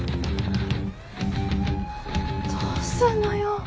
どうすんのよ。